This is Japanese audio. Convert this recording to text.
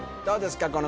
どうですか